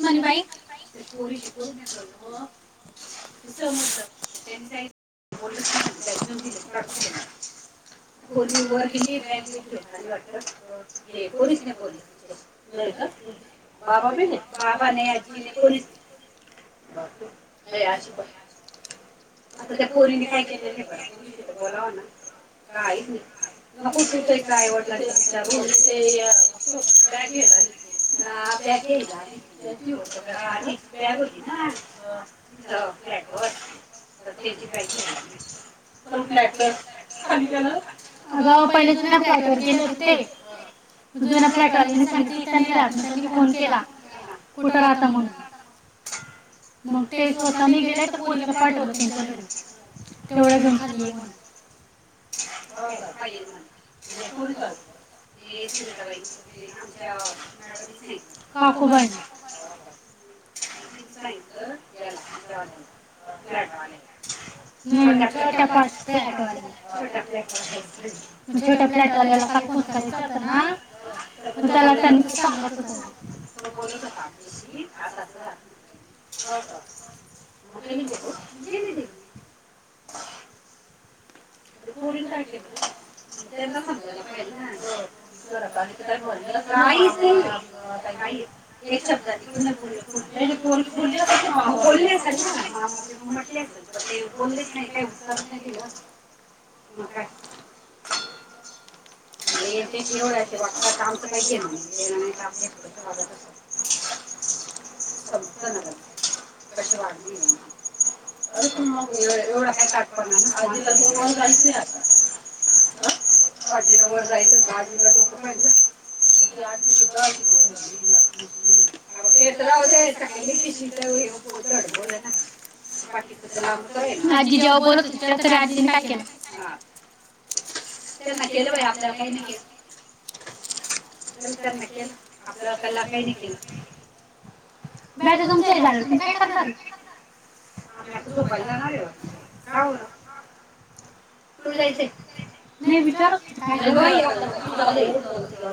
बाईोस बोलल त वर गेली बॅगेली वाटतस बोल बा बाब ना बाबा न आज्जीने कोणीच आ त्या पोरी काय केले ते पोरीशी तर बोलावं ना काहीच नाही नको तटयच आवडला विचार त्या अग पहिले जुन्या फ्लॅट वर गेले होते ते जुन्या फ्लॅट वाल्यानी सांगितलं इथं नाही राहत मग त्यांनी फोन केला केला कुठं राहता म्हणून मग ते स्वतःने गेले तर प पुरीला पाठवलं त्यांच्या घरी तेवढ्या घऊनण हकोबाज नाही छोट्या फ्लॅट वाल्याला मग छोट्या फ्लॅट वाल्याला काल फोन करायचा होता ना मग त्याला त्यांनी ते सांगत होत ना तू बोलू का म का हो गेले पोरीन काय केलं ना त्यांना समजायला पाहिल ना एक शब्दा पोर बोलली बोलले असाल ना मामा ब म्हटले असाल प ते बोललेच नाही काही उत्ार नाही इ का म्ह एवढ्या वाट आमच काही घणार नाही नाही क वागत असत सजत ना कस वाग अरे तू मग एवढं काही तटणार ना आधी त स चं आजीोक आजी जेव्हा बोलतव्हा तरी आजी काय केलं हा त्ये नाही केलं बाया आपल्याला काही न के घरच्या ना केल आपल्याला काही नाही केला बाई आता तुमच झालं तुम्ही काय करणार आहे आम्ही आता झोपायला जाणार आहे बगा का बरं पुढ जायचंय नाही विचारल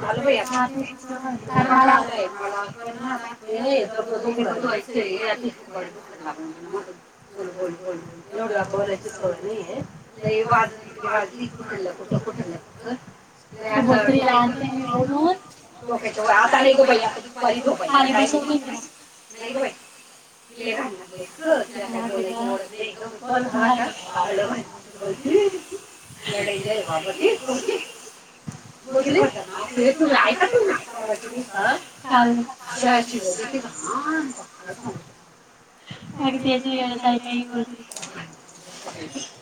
झालंण नाही ज दोघयचंय दख ला एवढ बा बयची सवय नाहीय नाही वाज वाजली कुठल कुठ कुठ त्या बकरीला आन तेनी बोलुन डोक्याचावर आता नाही ग बाई आता दुपारी झोपायच खाली बसू दे कि मग नाही ग बाई तिले घान घान बोलते तर तिला काय बोलायच वलन नाही गप्प बस हा का हा ले घान की एड इंजय भा धली हो कि, बघितली किती खोट ऐ तुम्ही आयकच नाही परवाच्या दिवसा काय शाळेची वेळ होती ना आओ काय सांगू तुम्हाला अ त्याची वेळच आहे काही होती.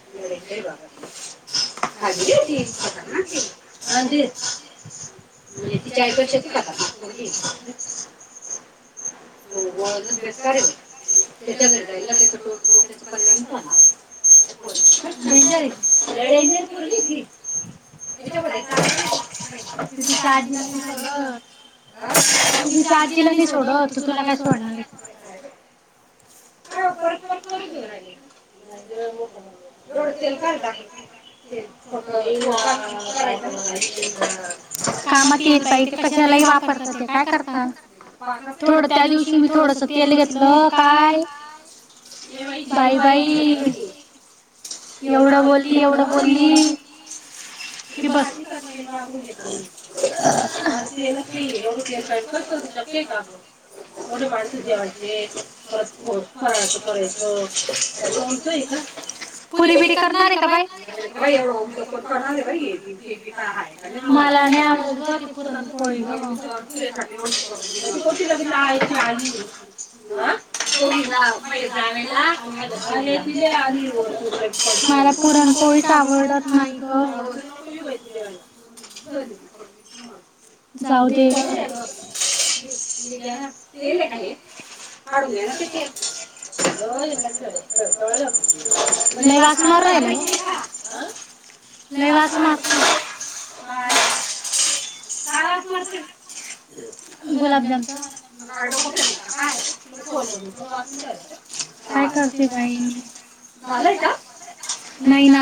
खतरनाक आहे आजी म्हणजे तीच्या आईपेक्षा ति खतरनाक होय कि बेकार आहे बाई त्याच्या घ जा त्या डोक्याच कल्याण झाणार डेनजर आहे की ले डेनजर पुरगी आहे ती त्याच्यामध्ये सांगा ती तीच्या आजीला नाही सोडत ती तीच्या आजीला नाही सोडत तुला काय सोडणार आहे एवढं तेल काय टाकलं ते छोट कामा तेल बाई ते कशालाही वापरत ते काय करत थोड त्या दिवशी मी थोडस तेल घेतलं काय बाई बाई एवढं बोलली एवढं बोलली की बस ते खल एवढं ते खत का एवढे माणसं जेवायचे परत फराळाचं करायचं लोणचं आहे का पुरी बिरी करणार आहे का बाई होय ओ करणार आहे बाई मला नाही आवडत ग ती पुरण पोळी ग तुचासाठी मला पुरणकोळीच आवडत नाही ग जाऊ दे ग तेल आहे का हे काढून घ्या ना ते तेल सळ लेय वास मारायला ओ आ लेय वास मार काय गुलाबजामच काय करते बाई झालय नाही ना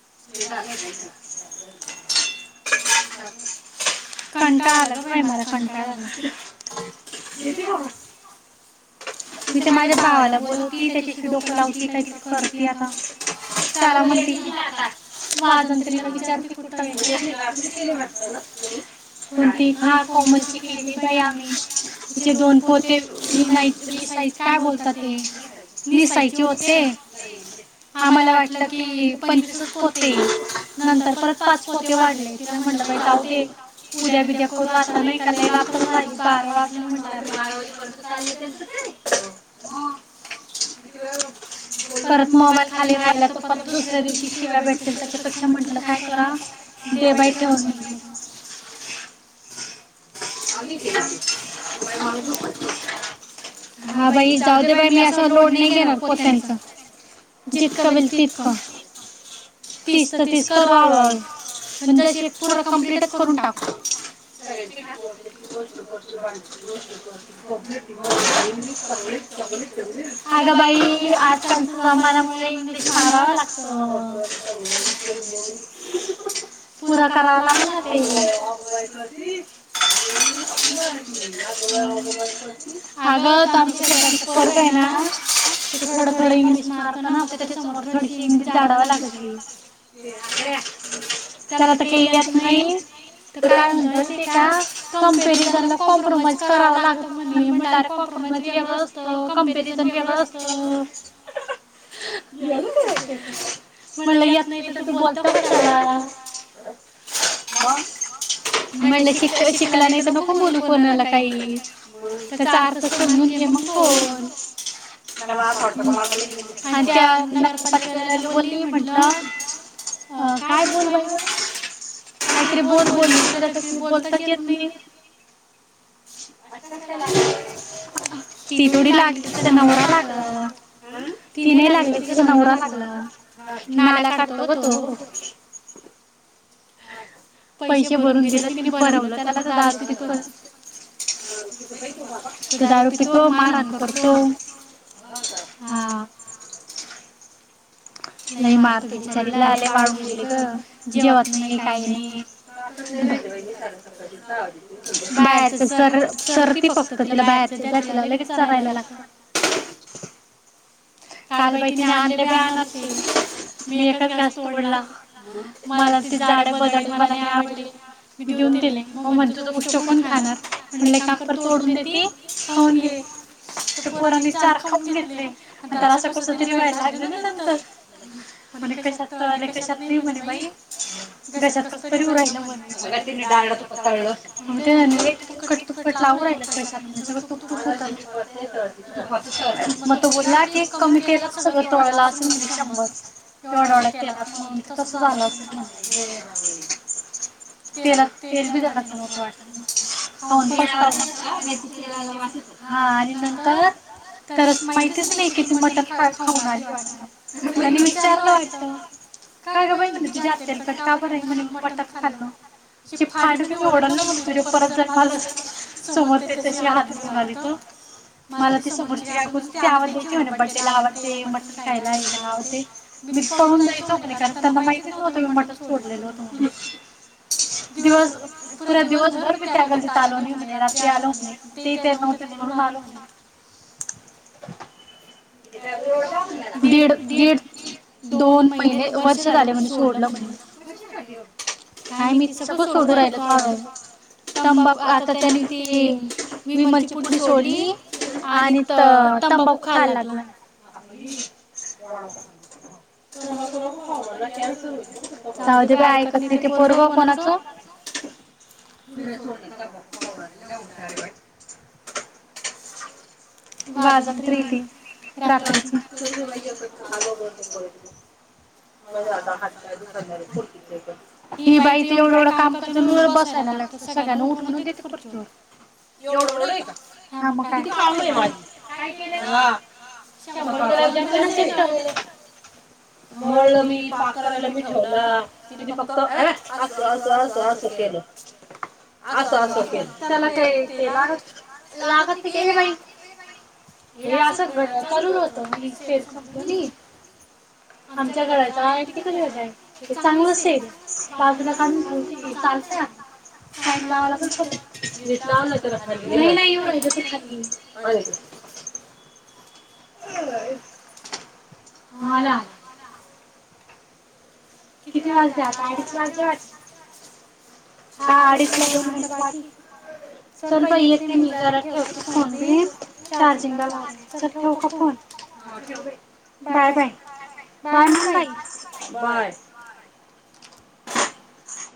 [unintelligible] कंटाळ आला ग बाई मला कंटाळ आला मी तर माझ्या भावाला बोलवती त्याच्याशी डोक लावती काहीतरी करती आता त्याला म्हणती आवाज तिला विचारते कुठ आहेस ते. कोणती? हा कोमलची केली बाई आम्ही तिचे दोन पोते विना विसाय काय बोलत ते निसायचे होते आम्हाला वाटल कि पंचवीसच पोते ती नंतर परत पाच पोते वाढले. तिला म्हटलं बाई जावू दे उद्या बिद्या करू. आता नाहि काही लई रात्र झाली बारा वाजले म्हटलं. परत मोबाईल खाली राहिला तर परत दुसऱ्या दिवशी शिव्या भेटतील. त्यापेक्षा म्हटलं काय करा दे बाई ठेवून म्हटलं. हा बाई जाऊ दे बाई मी असं लोड नाही घेणार पोत्यांच जितकं व्हील तितकं. तीस तर तीस करू हळूहळू. पण जशी पूर्ण कंप्लीटच करून टाकू. अग बाई आजकालच्या जमान्यामुळे इंग्लिश माराव लागत. पुरा करावा लागलं नाही ते अगं आमच्या शेजारच पोरग आहे ना ते थोडं थोडं इंग्लिश मारत ना मग त्याच्या समोर थोडीशी इंग्लिश जाडाव लागती. त्याला तर काही येत नाही तर काय म्हणत माहिते का कंपेरिझनला कॉम्प्रोमाइज कराव लागत म्हणे म्हणलं अरे कॉम्प्रोमाइज वेगळं असत कंपेरिझन वेगळं असत. म्हणलं येत नाही तू बोलत कशाला म्हणलं श शिकला नाही तर नको बोलू कोणाला काही त्याचा अर्थ समजून घे मग बोल आणि त्या नगरपालिकेला बोलली म्हटलं काय बोल बाई काहीतरी बोल बोलतरी बोलताच येत नाही ती थोडी लागली तिचा नवरा लागला ती नाही तिचा नवरा लागला. नाल्या काढतो ग तो पैसे भरून दिलं तिने बरवलं त्याला तर दारूपीत पण तर दारू पीतो मारहाण करतो हा लई मारतो बिचारीला लई वाळून गेली ग जेवत नाही काही नाही बाहेरच सर चरती फक्त तिला बाहेरच द्या तिला लगेच चरायला लागत. काल बाई तिने आणले बाई अनारसे. मी एकच घास तोडला मला ते जाडे बदडे मला नाही आवडले. मी देऊन दिले मग म्हण तुझ उष्ट कोण खाणार म्हणले काम कर तोडून देते खाऊन घे तर पोराने चार खाऊन घेतले. तर असं कस तरी व्हायला लागलं ना नंतर म्हणे कशात तळाले कशात नाही म्हणे बाई घशात कस तरी हुन राहिल म्हणे तुपकट तुपकट लाव राहिल कशात म्हण सगळ तुप तुप होत मग तो बोलला ते कमी तेला सगळ तोळला असेल म्हणजे शंभर एवढ्या ढ्या तेलात म्हणून ते तस झालं असेल तेलात तेल बी झाडच नव्हत वाटत आणि नंत तर माहितीच नाही कि मटण खाऊन आली वाटतं विचारलं वाटत काय ग बाई म्हणे तुझी हात तेलकट का बर आहे म्हण मटन खाल्ल फांडपणी ओडल म्हणे तुझ परत जर मला समोर त्याच हात घेऊन आली तर मला ती समोरची घकूनच आवज द्यायची बड्डेला आवडते मटन खायला याच्यायला आवडते मी पळून जायचो म्हणे कारण त्यांना माहितीच नव्हतं मी मटन सोडलेलो होत म्हणून दिवस पुरा दिवसभर मी त्यागल्दीत आलो नाही म्हणे रात्री आलो म्हणे ते ते नव्हत म्हणून आलो म्हणे दीड दीड दोन महिने वर्ष झाले म्हणज सोडलं म्हण नाही मी ते सगळ सोडून राहिल थोड तंबाखू आता त्यानी विमरची पुडी सोडली आणि त तंबाखू जावू दे बाई ऐकत नाही ते पोरग कोणाचं वाज्रती येते रात्रीच. ही बाई एवढ एवढ काम करतआणि बसायला लागत सगळ्यांना उठवून देते खुर्चवरून मग काय शंर मळ मी पाक करायला मी ठेवलं तिने फक्त अ अस अस अस असं केल अस अस के त्याला का ते लाग लागत बाई हे असं घड चालूर होत आणि सेल संपलो नाही आमच्या घड्याचा एंट्री कधी झा हे चांगलं सेल बाजूला काढून ये चालतय आईमवला तला खाली नाही नाही येऊ राहिलं क खाली [unintelligible] [unintelligible] किती वाजले आता अडीच वाजट हा अडीच ला दोन मिनट बाकी चल प येते मी जात ठेवते फोन बी चार्जिंगला लावते च ठेव का phone bye bye bye bye म्हण बाई बाय.